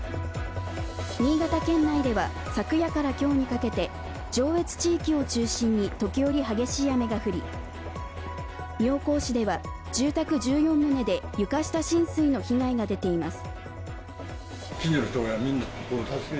新潟県内では昨夜から今日にかけて上越地域を中心に時折激しい雨が降り妙高市では住宅１４棟で床下浸水の被害が出ています。